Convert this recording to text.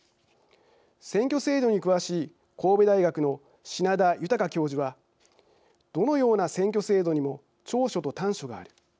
選挙制度に詳しい神戸大学の品田裕教授は「どのような選挙制度にも長所と短所がある。